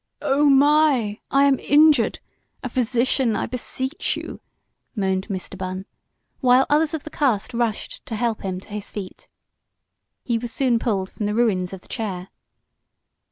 "Oh, my! I am injured! A physician, I beseech you!" moaned Mr. Bunn, while others of the cast rushed to help him to his feet. He was soon pulled from the ruins of the chair.